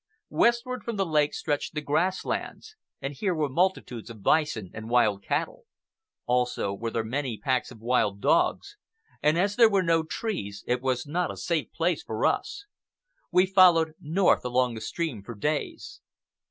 Westward from the lake stretched the grass lands, and here were multitudes of bison and wild cattle. Also were there many packs of wild dogs, and as there were no trees it was not a safe place for us. We followed north along the stream for days.